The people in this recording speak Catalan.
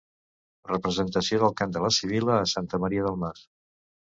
Representació del Cant de la Sibil·la a Santa Maria del Mar.